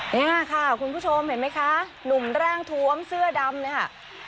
เนี่ยค่ะคุณผู้ชมเห็นไหมคะหนุ่มร่างทวมเสื้อดำเนี่ย